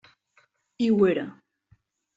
I ho era.